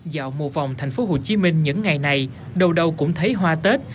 dạo mùa vòng thành phố hồ chí minh những ngày này đầu đầu cũng thấy hoa tết